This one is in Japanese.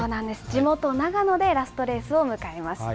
地元、長野でラストレースを迎えます。